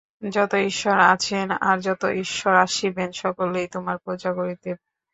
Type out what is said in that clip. যত ঈশ্বর আছেন আর যত ঈশ্বর আসিবেন, সকলকেই তোমরা পূজা করিতে পার।